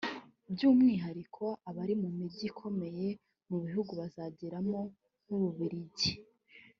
by’umwihariko abari mu mijyi ikomeye mu bihugu bazageramo nk’u Bubiligi